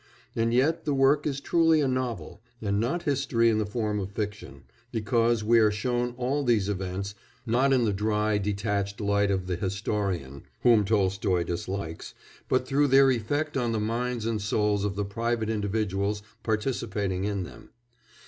And yet the work is truly a novel, and not history in the form of fiction, because we are shown all these events not in the dry, detached light of the historian (whom Tolstoy dislikes), but through their effect on the minds and souls of the private individuals participating in them.